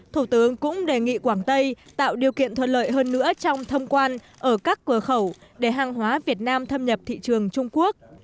thủ tướng cũng đề nghị quảng tây tạo điều kiện thuận lợi hơn nữa trong thông quan ở các cửa khẩu để hàng hóa việt nam thâm nhập thị trường trung quốc